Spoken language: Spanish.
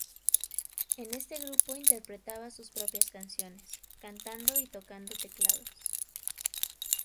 En este grupo interpretaba sus propias canciones, cantando y tocando teclados.